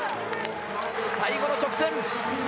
最後の直線。